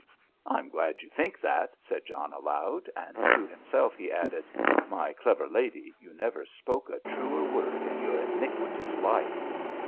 "I'm glad you think that," said John aloud, and to himself he added, "my clever lady, you never spoke a truer word in your iniquitous life."